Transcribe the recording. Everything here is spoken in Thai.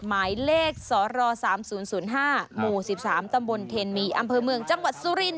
หมายเลขสร๓๐๐๕หมู่๑๓ตำบลเทนมีอำเภอเมืองจังหวัดสุรินท